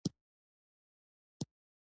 د مدارونو تر منځ موسمونه بدلېږي.